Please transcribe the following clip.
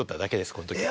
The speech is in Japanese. この時は。